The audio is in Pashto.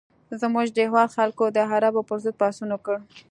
زموږ د هېواد خلکو د عربو پر ضد پاڅون وکړ.